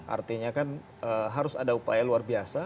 artinya kan harus ada upaya luar biasa